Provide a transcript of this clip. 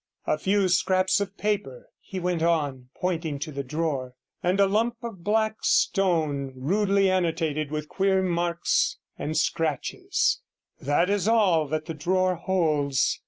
'A few scraps of paper,' he went on, pointing to the drawer, 'and a lump of black stone, rudely annotated with queer marks and scratches that is all that the drawer holds.